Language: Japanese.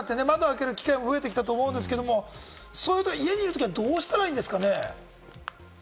梅本さん、涼しくなって窓を開ける機会も増えてきたと思うんですけれども、家にいるときはどうしたらいいんですかね？